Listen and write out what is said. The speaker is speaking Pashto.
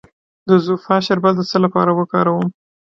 د زوفا شربت د څه لپاره وکاروم؟